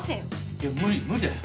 いや無理無理だよ。